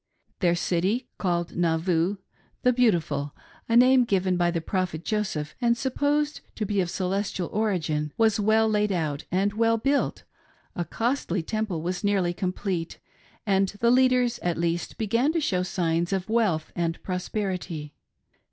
Their city called Nauvoo — The Beautiful, — a name given by the Prophet Joseph and supposed to be of celestial origin, was well laid out and well built, a costly Temple was nearly complete, and the leaders, at least, began to show signs of wealth and prosperity.